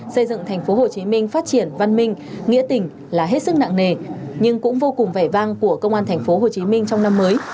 xây dựng thành phố hồ chí minh phát triển văn minh nghĩa tình là hết sức nặng nề nhưng cũng vô cùng vẻ vang của công an thành phố hồ chí minh trong năm mới